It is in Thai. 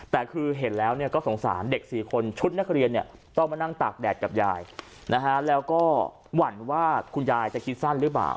แต่คือเห็นแล้วก็สงสารเด็ก๔คนชุดนักเรียนเนี่ยต้องมานั่งตากแดดกับยายนะฮะแล้วก็หวั่นว่าคุณยายจะคิดสั้นหรือเปล่า